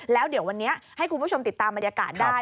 แล้วเดี๋ยววันนี้ให้คุณผู้ชมติดตามบรรยากาศได้